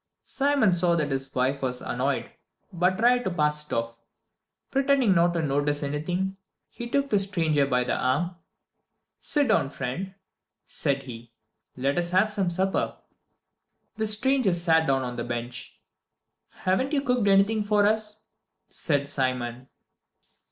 Simon saw that his wife was annoyed, but tried to pass it off. Pretending not to notice anything, he took the stranger by the arm. "Sit down, friend," said he, "and let us have some supper." The stranger sat down on the bench. "Haven't you cooked anything for us?" said Simon.